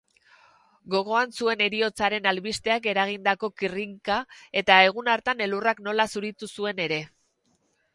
Gogoan zuen heriotzaren albisteak eragindako kirrinka eta egun hartan elurrak nola zuritu zuen ere